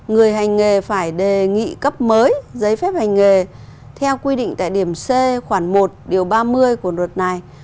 người hành nghề phải đề nghị cấp mới giấy phép hành nghề theo quy định tại điểm c khoảng một điều ba mươi của luật này